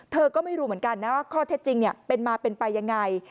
เธอก็ไม่รู้เหมือนกันนะว่าข้อเท็จจริงเป็นมาเป็นไปยังไง